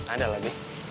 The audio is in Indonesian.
ada lah be